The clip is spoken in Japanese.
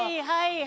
はい。